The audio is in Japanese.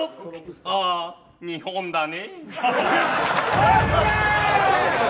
あー、日本だね。